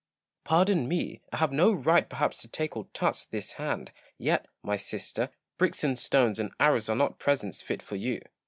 Pardon me : I have no right perhaps to take or touch this hand ; yet, my sister, bricks and stones and arrows ai'e not presents fit for you.